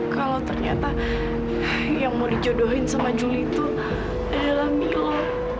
kalau ternyata yang mau dijodohin sama juli itu adalah mila